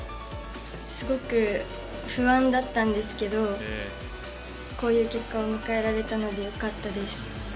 すごく不安だったんですけれども、こういう結果を迎えられたのでよかったです。